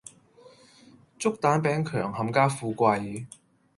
祝蛋餅强冚家富貴